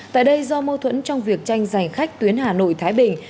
tại đây do mâu thuẫn trong việc tranh giành khách tuyến hà nội thái bình